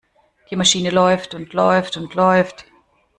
Die Maschine läuft und läuft und läuft.